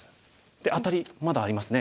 でアタリまだありますね。